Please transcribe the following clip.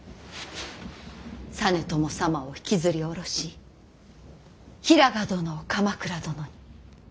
実朝様を引きずり下ろし平賀殿を鎌倉殿に。